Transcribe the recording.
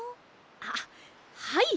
あっはい。